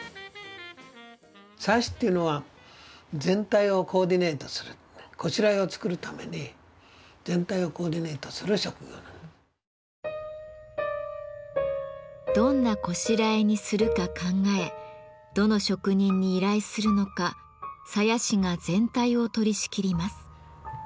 鞘師っていうのは全体をコーディネートするどんな拵にするか考えどの職人に依頼するのか鞘師が全体を取りしきります。